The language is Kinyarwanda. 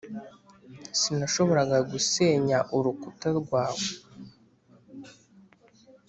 sinashoboraga gusenya urukuta rwawe.